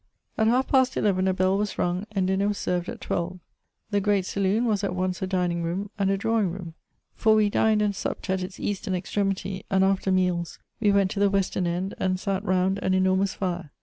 At half past eleven a bell was rung, and dinner was served at twelve. The great saloon was at once a dining room and a drawing room ; for we dined and supped at its eastern extre mity, and, after meab, we went to the western end, and sat round an enormous fire.